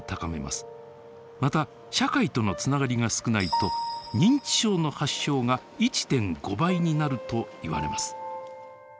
また社会とのつながりが少ないと認知症の発症が１．５倍になるといわれます。